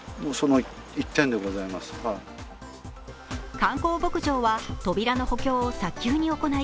観光牧場は扉の補強を早急に行い